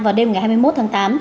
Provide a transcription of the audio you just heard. vào đêm ngày hai mươi một tháng tám